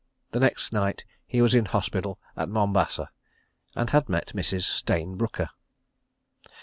The next night he was in hospital at Mombasa and had met Mrs. Stayne Brooker.